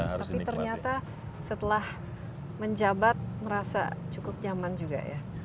tapi ternyata setelah menjabat merasa cukup nyaman juga ya